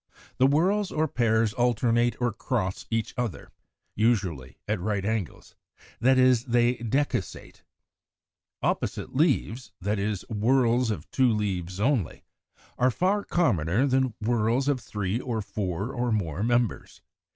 The whorls or pairs alternate or cross each other, usually at right angles, that is, they decussate. Opposite leaves, that is, whorls of two leaves only, are far commoner than whorls of three or four or more members.